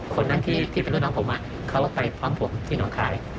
คนนั้นที่เป็นลูกน้องผมเขาไปพร้อมผมที่หนองคลาย